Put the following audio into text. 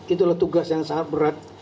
itulah tugas yang sangat berat